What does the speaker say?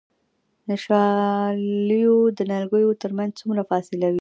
د شالیو د نیالګیو ترمنځ څومره فاصله وي؟